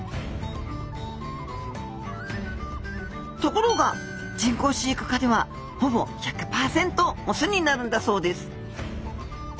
ところが人工飼育下ではほぼ１００％雄になるんだそうです